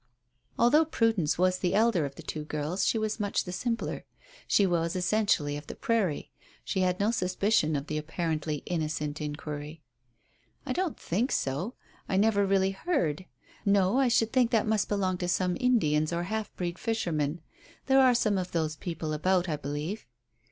Although Prudence was the elder of the two girls she was much the simpler. She was essentially of the prairie. She had no suspicion of the apparently innocent inquiry. "I don't think so. I never really heard. No; I should think that must belong to some Indians or half breed fishermen. There are some of those people about, I believe."